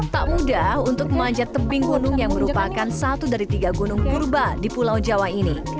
tak mudah untuk memanjat tebing gunung yang merupakan satu dari tiga gunung purba di pulau jawa ini